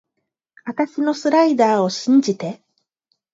あたしのスライダーを信じて